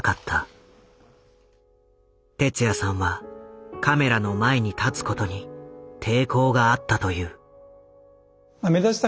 哲也さんはカメラの前に立つことに抵抗があったという。